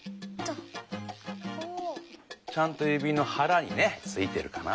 ちゃんとゆびのはらにねついてるかな。